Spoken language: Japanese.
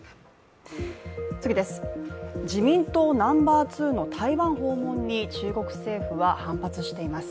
自民党ナンバー２の台湾訪問に、中国政府は反発しています。